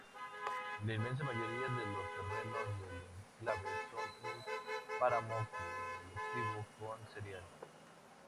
La inmensa mayoría de los terrenos del enclave son un páramo cultivado con cereal.